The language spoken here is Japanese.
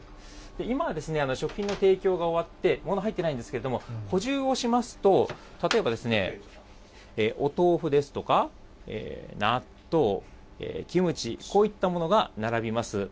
今は食品の提供が終わって、物が入っていないんですけれども、補充をしますと、例えばお豆腐ですとか、納豆、キムチ、こういったものが並びます。